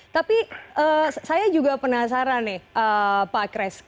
tapi saya juga penasaran nih pak chris